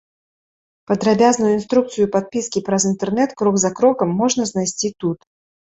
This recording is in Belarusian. Падрабязную інструкцыю падпіскі праз інтэрнэт крок за крокам можна знайсці тут.